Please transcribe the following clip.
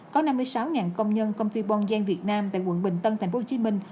có năm mươi sáu công nhân công ty bon giang việt nam tại quận bình tân thành phố hồ chí minh